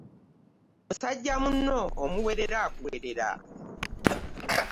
Musajja muno omuwerera akuwerera .